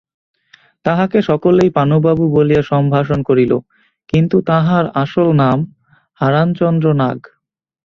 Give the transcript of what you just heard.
তাঁহাকে সকলেই পানুবাবু বলিয়া সম্ভাষণ করিল, কিন্তু তাঁহার আসল নাম হারানচন্দ্র নাগ।